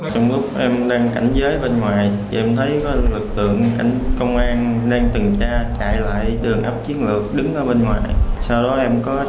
trong bước em đang cảnh giới bên ngoài em thấy có lực tượng